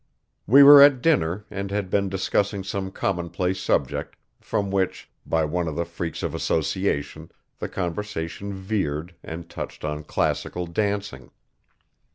We were at dinner and had been discussing some commonplace subject, from which, by one of the freaks of association, the conversation veered and touched on classical dancing.